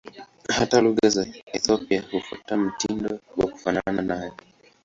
Hata lugha za Ethiopia hufuata mtindo wa kufanana nayo.